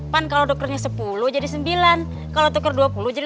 kan kalau dukernya sepuluh jadi sembilan kalau tuker dua puluh jadi delapan belas